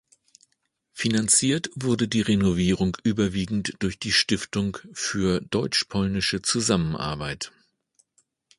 Finanziert wurde die Renovierung überwiegend durch die „Stiftung für deutsch-polnische Zusammenarbeit“.